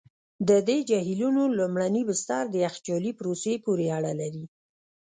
د دې جهیلونو لومړني بستر د یخچالي پروسې پورې اړه لري.